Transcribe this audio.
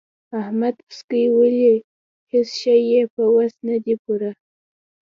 احمد پسکۍ ولي؛ هيڅ شی يې په وس نه دی پوره.